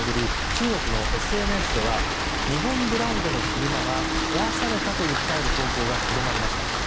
中国のＳＮＳでは日本ブランドの車が壊されたと訴える投稿が広まりました。